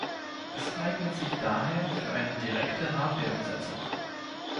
Es eignet sich daher für eine direkte Hardware-Umsetzung.